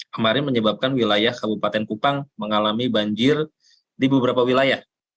kemarin menyebabkan wilayah kabupaten kupang mengalami banjir di beberapa wilayah